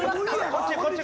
こっちこっち。